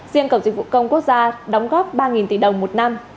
riêng cổng dịch vụ công quốc gia đóng góp ba tỷ đồng một năm